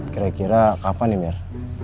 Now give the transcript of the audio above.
kira kira kapan nih mer